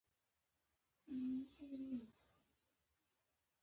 کچالو د خلکو په پخلنځي کې هر وخت وي